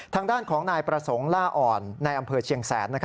ทางด้านของนายประสงค์ล่าอ่อนในอำเภอเชียงแสน